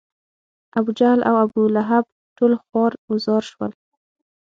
ابوجهل او ابولهب ټول خوار و زار شول.